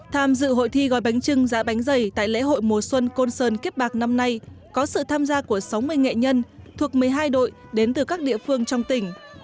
tham dự hội thi gói bánh trưng dạ bánh dày tại lễ hội mùa xuân côn sơn kiếp bạc năm nay có sự tham gia của sáu mươi nghệ nhân thuộc một mươi hai đội đến từ các địa phương trong tỉnh